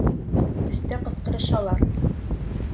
Өҫтә ҡысҡырышалар.